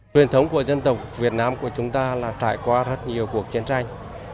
truyền thống của dân tộc việt nam của chúng ta là trải qua rất nhiều cuộc chiến tranh